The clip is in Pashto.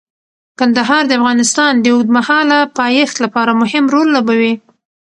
کندهار د افغانستان د اوږدمهاله پایښت لپاره مهم رول لوبوي.